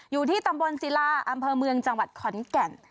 อยู่ที่ตำบลศิลาอำเภอเมืองจังหวัดขอนแก่น